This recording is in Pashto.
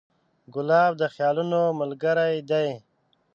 ګلاب د خیالونو ملګری دی.